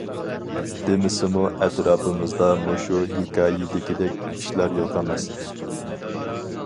دېمىسىمۇ ئەتراپىمىزدا مۇشۇ ھېكايىدىكىدەك ئىشلار يوق ئەمەس.